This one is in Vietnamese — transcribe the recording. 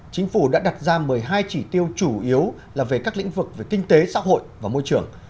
chính phủ đã đặt ra một mươi hai chỉ tiêu chủ yếu là về các lĩnh vực về kinh tế xã hội và môi trường